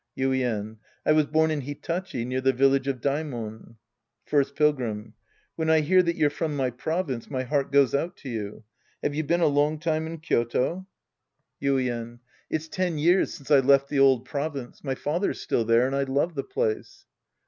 Yuien. I was born in Hitachi near the village of Daimon. First Pilgrim. When I hear that you're from my province, my heart goes out to you. Have you been a long time in Kyoto ? 86 The Priest and His Disciples Act II Yuien. It's ten years since I left the old province. My father's still there, and I love the place.